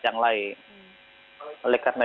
yang lain oleh karena